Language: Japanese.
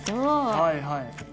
はいはい。